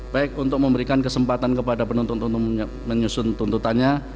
baik untuk memberikan kesempatan kepada penuntut umum menyusun tuntutannya